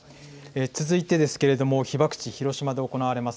続いてですけれども被爆地広島で行われます